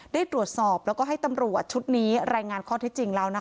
ได้ตรวจสอบแล้วก็ให้ตำรวจชุดนี้รายงานข้อที่จริงแล้วนะคะ